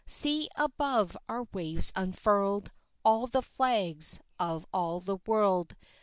See above our waves unfurled All the flags of all the world!